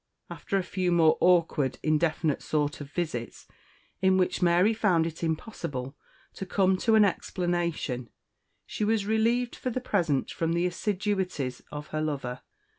After a few more awkward, indefinite sort of visits, in which Mary found it impossible to come to an explanation, she was relieved for the present from the assiduities of her lover.